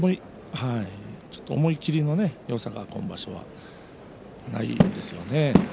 思い切りのよさが今場所はないですよね。